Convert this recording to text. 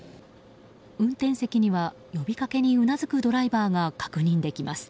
運転席には呼びかけにうなずくドライバーが確認できます。